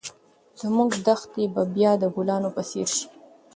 زموږ دښتې به بیا د ګلانو په څېر شي.